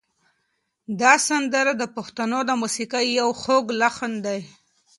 دا سندره د پښتنو د موسیقۍ یو خوږ لحن دی.